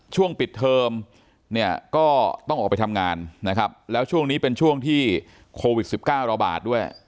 ช่วงปิดเทอมเนี่ยก็ต้องออกไปทำงานนะครับแล้วช่วงนี้เป็นช่วงที่โควิด๑๙ระบาดด้วย